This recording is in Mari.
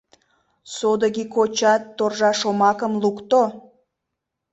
Содыки кочат торжа шомакым лукто.